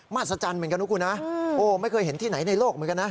หัศจรรย์เหมือนกันนะคุณนะโอ้ไม่เคยเห็นที่ไหนในโลกเหมือนกันนะ